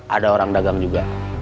ada orang dagang juga